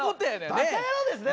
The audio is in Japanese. バカ野郎ですね